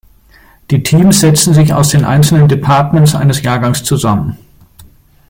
Die Teams setzen sich aus den einzelnen Departments eines Jahrgangs zusammen.